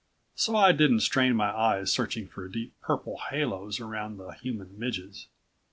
So I didn't strain my eyes searching for deep purple halos around the human midges.